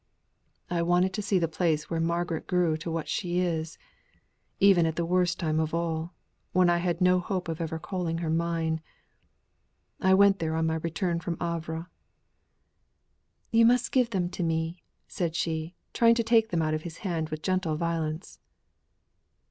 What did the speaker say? "I wanted to see the place where Margaret grew to what she is, even at the worst time of all, when I had no hope of ever calling her mine. I went there on my return from Havre." "You must give them to me," she said, trying to take them out of his hand with gentle violence.